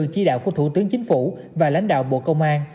chỉ đạo của thủ tướng chính phủ và lãnh đạo bộ công an